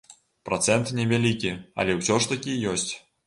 Працэнт невялікі, але ўсё ж такі ёсць.